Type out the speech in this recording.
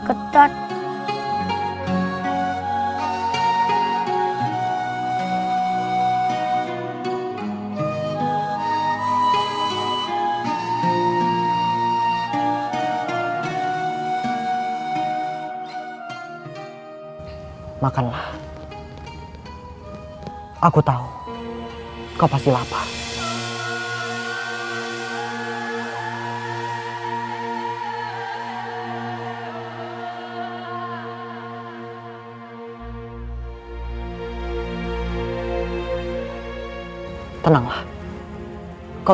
kita akan berusaha di tempat yang itu